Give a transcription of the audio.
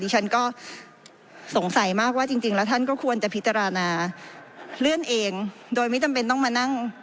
ฉันก็สงสัยมากว่าจริงแล้วท่านก็ควรจะพิจารณาเลื่อนเองโดยไม่จำเป็นต้องมานั่ง